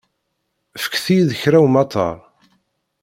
Fket-iyi-d kra umatar.